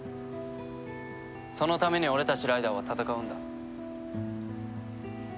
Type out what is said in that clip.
そのために俺たちライダーは戦うんだ。